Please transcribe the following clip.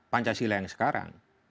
pancasila yang sekarang